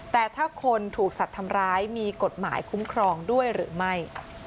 แต่ถ้าคนถูกสัตว์ทำร้ายมีกฎหมายคุ้มครองด้วยหรือไม่